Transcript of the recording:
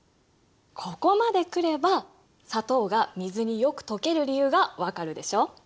ここまで来れば砂糖が水によく溶ける理由が分かるでしょ？